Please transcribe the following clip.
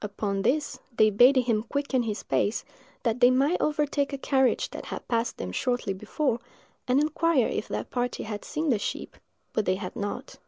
Upon this, they bade him quicken his pace, that they might overtake a carriage that had passed them shortly before, and inquire if that party had seen the sheep; but they had not.